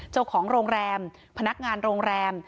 เจ้าของโรงแรมพนักงานโรงแรม